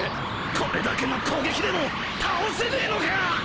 これだけの攻撃でも倒せねえのか！？